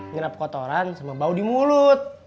nyerap kotoran sama bau di mulut